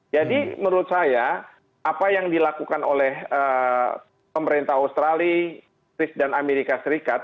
jadi menurut saya apa yang dilakukan oleh pemerintah australia inggris dan amerika serikat